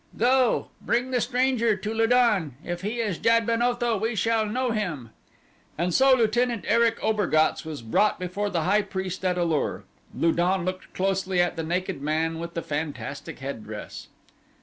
"Go, bring the stranger to Lu don. If he is Jad ben Otho we shall know him." And so Lieutenant Erich Obergatz was brought before the high priest at A lur. Lu don looked closely at the naked man with the fantastic headdress.